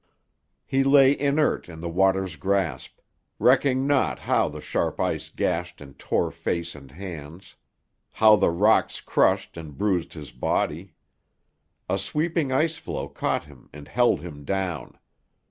He lay inert in the water's grasp, recking not how the sharp ice gashed and tore face and hands, how the rocks crushed and bruised his body. A sweeping ice floe caught him and held him down.